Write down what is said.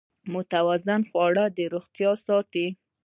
متوازن خواړه روغتیا ساتي.